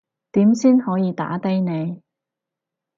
點先可以打低你